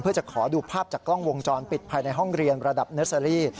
เพื่อจะขอดูภาพจากกล้องวงจรปิดภายในห้องเรียนระดับเนอร์เซอรี่